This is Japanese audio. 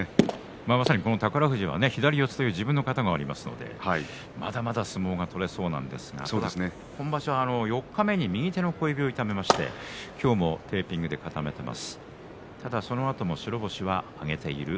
まさに宝富士左四つという自分の型がありますので、まだまだ相撲が取れそうなんですが今場所、四日目に右手の小指を痛めまして今日もテーピングで固めています。